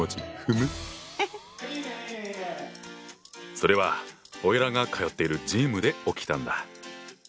それはオイラが通っているジムで起きたんだ。